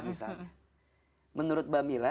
misalnya menurut mbak mila